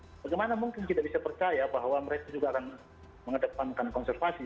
bagaimana mungkin kita bisa percaya bahwa mereka juga akan mengedepankan konservasi